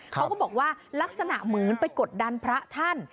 เขาก็บอกว่าลักษณะเหมือนไปกดดันพระท่าน